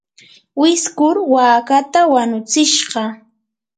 wiskur waakata wanutsishqa.